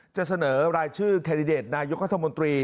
จะเสนอรายชื่อแคดดิเดตนายกธมตรี